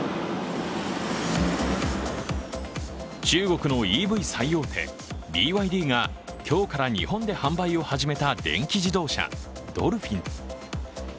中国のＥＶ最大手、ＢＹＤが今日から日本で販売を始めた電気自動車、ＤＯＬＰＨＩＮ。